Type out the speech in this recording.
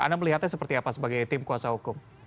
anda melihatnya seperti apa sebagai tim kuasa hukum